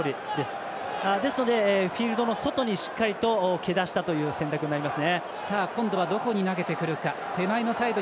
ですのでフィールドの外にしっかり蹴りだしたという選択になります。